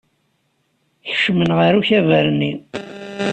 Kecmen ɣer ukabar-nni.